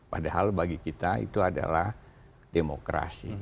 padahal bagi kita itu adalah demokrasi